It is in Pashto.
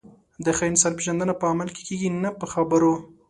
د ښه انسان پیژندنه په عمل کې کېږي، نه په خبرو.